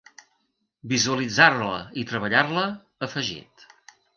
Visualitzar-la i treballar-la, ha afegit.